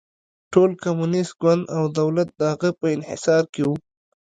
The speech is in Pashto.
ټول کمونېست ګوند او دولت د هغه په انحصار کې و.